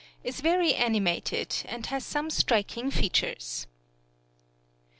is very animated, and has some striking features.